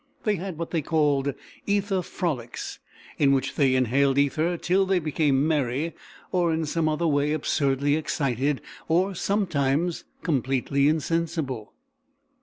They had what they called "ether frolics," in which they inhaled ether till they became merry, or in some other way absurdly excited or, sometimes, completely insensible.